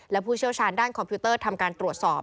และผู้เชี่ยวชาญด้านคอมพิวเตอร์ทำการตรวจสอบ